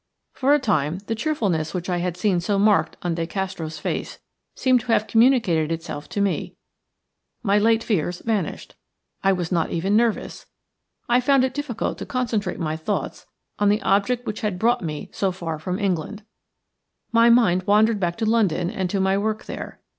For a time the cheerfulness which I had seen so marked on De Castro's face seemed to have communicated itself to me; my late fears vanished, I was not even nervous, I found it difficult to concentrate my thoughts on the object which had brought me so far from England. My mind wandered back to London and to my work there.